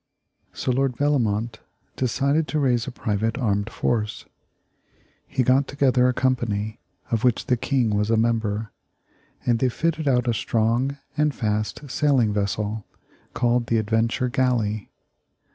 So Lord Bellomont decided to raise a private armed force. He got together a company, of which the King was a member, and they fitted out a strong and fast sailing vessel called the Adventure Galley.